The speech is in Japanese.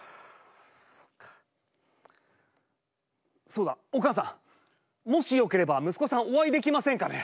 そうだお母さんもしよければ息子さんお会いできませんかね？